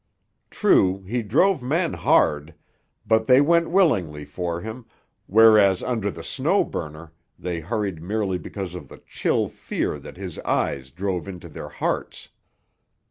True, he drove men hard; but they went willingly for him, whereas under the Snow Burner they hurried merely because of the chill fear that his eyes drove into their hearts.